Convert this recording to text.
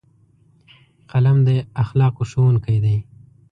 قلم د اخلاقو ښوونکی دی